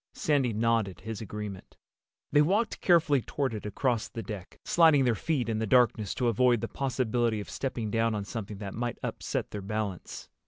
Sandy nodded his agreement. They walked carefully toward it across the deck, sliding their feet in the darkness to avoid the possibility of stepping down on something that might upset their balance.